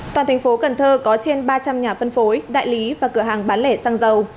toàn tp cnh có trên ba trăm linh nhà phân phối đại lý và cửa hàng bán lẻ xăng dầu